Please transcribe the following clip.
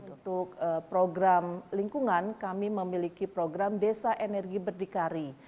untuk program lingkungan kami memiliki program desa energi berdikari